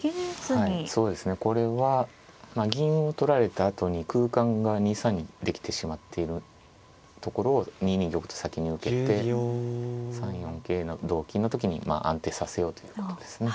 はいそうですね。これは銀を取られたあとに空間が２三にできてしまっているところを２二玉と先に受けて３四桂の同金の時にまあ安定させようということですね。